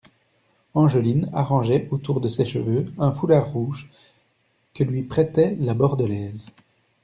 Angeline arrangeait autour de ses cheveux un foulard rouge que lui prêtait la Bordelaise.